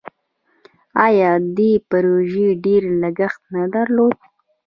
آیا دې پروژې ډیر لګښت نه درلود؟